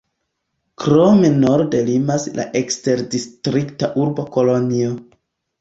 Krome norde limas la eksterdistrikta urbo Kolonjo.